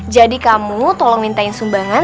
jadi kamu tolong minta sumbangan